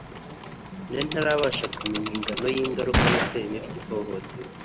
nari ntarabasha kumenya ingano y’ingaruka natewe n’iryo hohoterwa